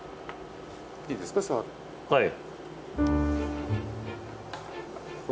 はい。